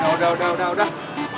udah udah udah